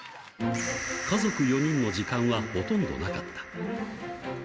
家族４人の時間はほとんどなかった。